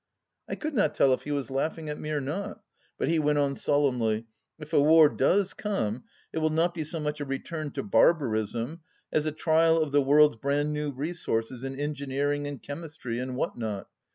I could not tell if he was laughing at me or not, but he went on solemnly :" If a war does come, it will not be so much a return to barbarism as a trial of the world's brand new resources in engineering and chemistry and what not.